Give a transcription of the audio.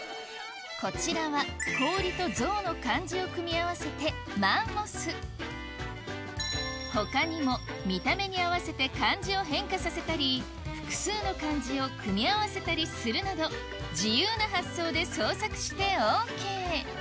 こちらは「氷」と「象」の漢字を組み合わせて他にも見た目に合わせて漢字を変化させたり複数の漢字を組み合わせたりするなど自由な発想で創作してＯＫ